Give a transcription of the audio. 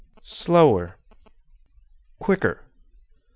"Slower." "Quicker."